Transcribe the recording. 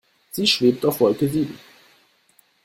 Sie schwebt auf Wolke sieben.